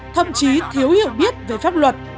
thậm chí thiếu hiểu biết về pháp luật